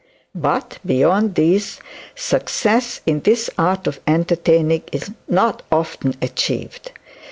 But beyond these, success in this art of entertaining is not often achieved.